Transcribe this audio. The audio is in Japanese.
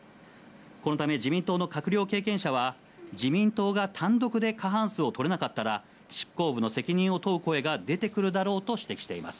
このため、自民党の閣僚経験者は、自民党が単独で過半数を取れなかったら、執行部の責任を問う声が出てくるだろうと指摘しています。